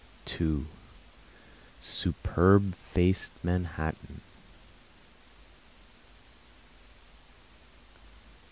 2 Superb faced Manhattan!